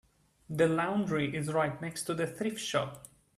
The laundry is right next to the thrift shop.